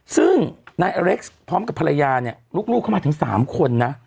ซึ่งนายอเล็กซ์พร้อมกับภรรยาเนี่ยลูกเข้ามาถึง๓คนนะ